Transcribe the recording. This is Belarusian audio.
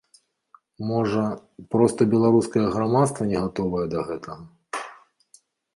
Можа, проста беларускае грамадства не гатовае да гэтага?